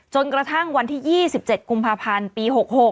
จนกระทั่งวันที่๒๗กุมภาพันธ์ปี๖๖